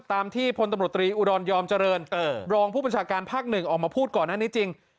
ตามที่พลตำรวจตรีอุดรยอมเจริญรองผู้บัญชาการภาคหนึ่งออกมาพูดก่อนหน้านี้จริง